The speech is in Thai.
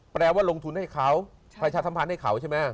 แปลว่าลงทุนให้เขาประชาสัมพันธ์ให้เขาใช่ไหม